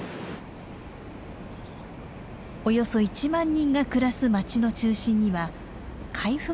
およそ１万人が暮らす町の中心には海部川が流れています。